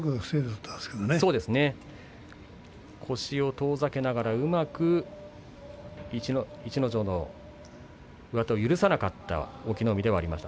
腰を遠ざけながらうまく逸ノ城の上手を許さなかった隠岐の海ではありました。